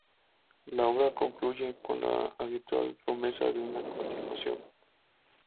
La obra concluye con la habitual promesa de una continuación.